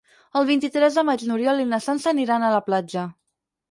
El vint-i-tres de maig n'Oriol i na Sança aniran a la platja.